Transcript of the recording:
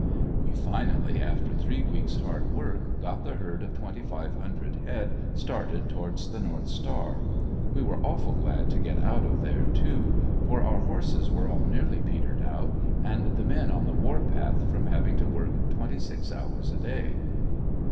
We finally, after three weeks hard work, got the herd of twenty five hundred head started towards the north star. We were awful glad to get out of there too, for our horses were all nearly peetered out, and the men on the war path, from having to work twenty six hours a day.